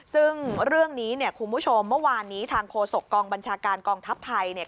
ซึ่งเรื่องนี้เนี่ยคุณผู้ชมเมื่อวานนี้ทางโฆษกองบัญชาการกองทัพไทยเนี่ย